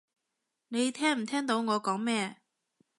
你聽唔聽到我講咩？